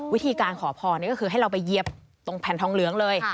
วิธีการขอพรนี่ก็คือให้เราไปเย็บตรงแผ่นทองเหลืองเลย